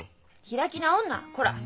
開き直んなこら。